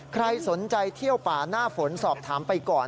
ใครสนใจเที่ยวป่าหน้าฝนสอบถามไปก่อน